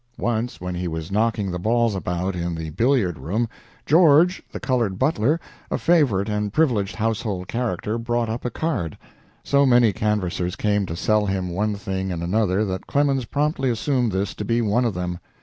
Once when he was knocking the balls about in the billiard room, George, the colored butler, a favorite and privileged household character, brought up a card. So many canvassers came to sell him one thing and another that Clemens promptly assumed this to be one of them.